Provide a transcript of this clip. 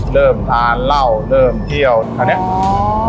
เริ่มอ่านเล่าเริ่มเที่ยว